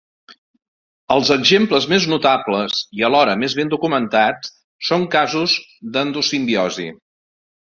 Els exemples més notables, i alhora més ben documentats, són casos d'endosimbiosi.